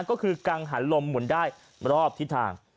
ก็คือกังหันลมหมุนได้รอบทิศทาง